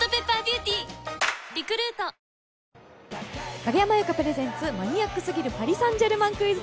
影山優佳プレゼンツ、マニアック過ぎるパリ・サンジェルマンクイズ。